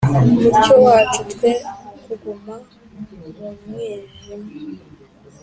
mucyo wacu, twe kuguma mu mwijima.